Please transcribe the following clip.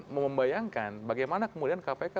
membayangkan bagaimana kemudian kpk